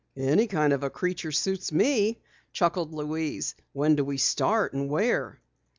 "Any kind of a creature suits me," chuckled Louise. "When do we start and where?"